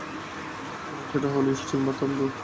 সেটা হলো স্ট্রিং বা তন্তু।